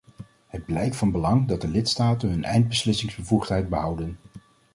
Het blijkt van belang dat de lidstaten hun eindbeslissingsbevoegdheid behouden.